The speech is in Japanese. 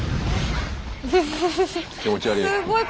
気持ち悪い。